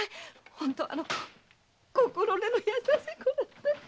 本当はあの子心根の優しい子なんです！